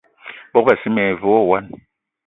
Bogb-assi me ve wo wine.